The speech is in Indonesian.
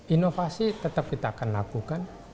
inovasi tetap kita akan lakukan